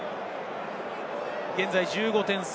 現在１５点差。